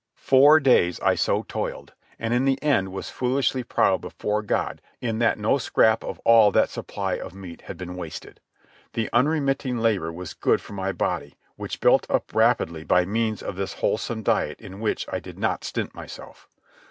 Four days I so toiled, and in the end was foolishly proud before God in that no scrap of all that supply of meat had been wasted. The unremitting labour was good for my body, which built up rapidly by means of this wholesome diet in which I did not stint myself.